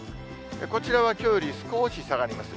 こちらはきょうより少し下がります。